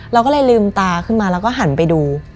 เราก็เลยลืมตาขึ้นมาแล้วก็หันไปดู